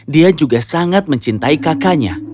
dia juga sangat mencintai kakaknya